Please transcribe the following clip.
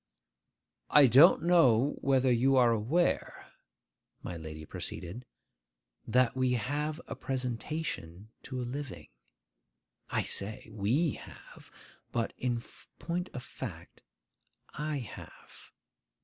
'I don't know whether you are aware,' my lady proceeded, 'that we have a presentation to a living? I say we have; but, in point of fact, I have.